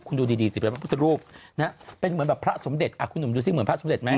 คุณดูดีสิเป็นพระพุทธรูปเป็นเหมือนแบบพระสมเด็จคุณหนุ่มดูสิเหมือนพระสมเด็จไหม